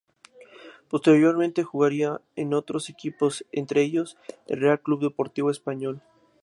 Posteriormente jugaría en otros equipos, entre ellos el Real Club Deportivo Español.